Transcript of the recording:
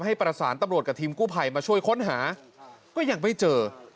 ให้ปรสารตำโหลดกับทีมกู้ไผ่มาช่วยค้นหาก็ยังไม่เจอ